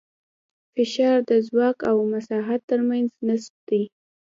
فشار د ځواک او مساحت تر منځ نسبت دی.